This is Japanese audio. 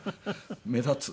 「目立つ。